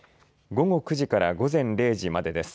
午後９時から午前０時までです。